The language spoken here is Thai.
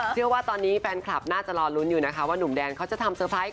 เชื่อว่าตอนนี้แฟนคลับน่าจะรอลุ้นอยู่นะคะว่าหนุ่มแดนเขาจะทำเตอร์ไพรส์